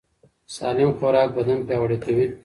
سالم خوراک بدن پیاوړی کوي.